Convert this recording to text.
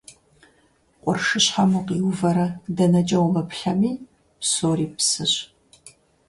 Къуршыщхьэм укъиувэрэ дэнэкӀэ умыплъэми, псори псыщ.